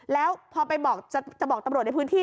แล้วพอไปบอกจะบอกตำรวจในพื้นที่